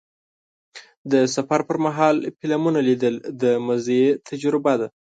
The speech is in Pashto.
د سفر پر مهال فلمونه لیدل د مزې تجربه ده.